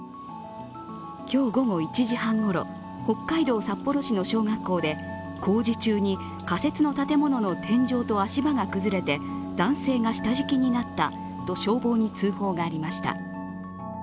今日午後１時半ごろ、北海道札幌市の小学校で工事中に仮設の建物の天井と足場が崩れて男性が下敷きになったと消防に通報がありました。